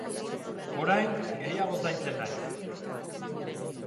Orain, gehiago zaintzen naiz.